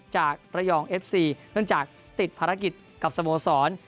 จากระยองเอฟซีเนื่องจากติดภารกิจกับสโมสร